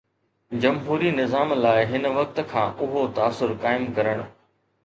جمهوري نظام لاءِ هن وقت کان اهو تاثر قائم ڪرڻ